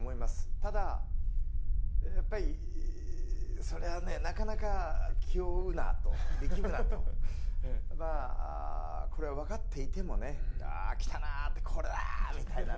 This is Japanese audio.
ただ、やっぱりそれはね、なかなか力むなとこれは分かっていてもねああ、きたなこれはみたいなね。